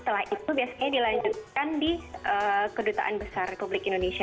setelah itu biasanya dilanjutkan di kedutaan besar republik indonesia